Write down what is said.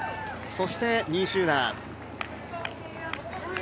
そして、２位集団。